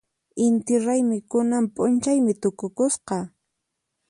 Inti raymi kunan p'unchaymi tukukusqa.